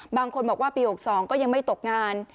บางคนบอกว่าปี๖๒ก็ยังไม่ตกงาน